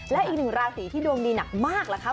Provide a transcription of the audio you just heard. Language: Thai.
และอีกหนึ่งราศีที่ดวงดีหนักมากล่ะครับ